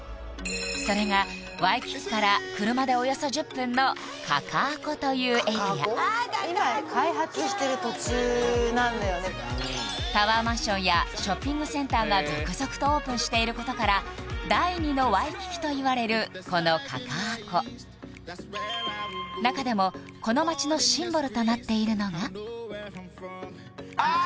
それがワイキキから車でおよそ１０分のカカアコというエリアタワーマンションやショッピングセンターが続々とオープンしていることから第二のワイキキといわれるこのカカアコ中でもこの街のシンボルとなっているのがああ！